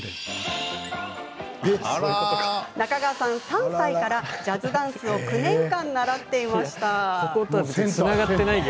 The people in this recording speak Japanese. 中川さん３歳から、ジャズダンスを９年間習っていました。